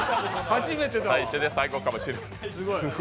最初で最後かもしれない。